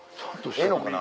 ええのかな？